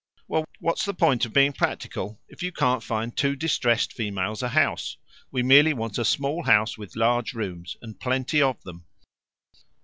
"Well, what's the point of being practical if you can't find two distressed females a house? We merely want a small house with large rooms, and plenty of them."